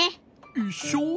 いっしょ？